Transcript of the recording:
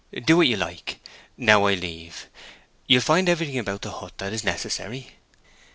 "Do what you like. Now I leave. You will find everything about the hut that is necessary."